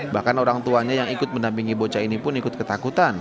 bahkan orang tuanya yang ikut mendampingi bocah ini pun ikut ketakutan